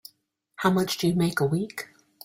How much do you make a week?